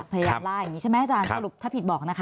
พยายามล่าอย่างนี้ใช่ไหมอาจารย์สรุปถ้าผิดบอกนะคะ